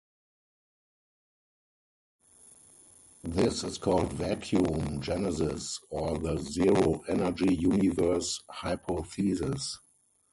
This is called vacuum genesis or the zero-energy universe hypothesis.